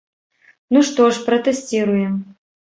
Ну што ж, пратэсціруем.